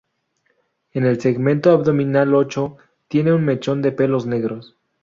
En el segmento abdominal ocho, tiene un mechón de pelos negros.